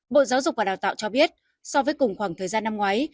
bộ giáo dục và đào tạo cho biết so với cùng khoảng thời gian năm ngoái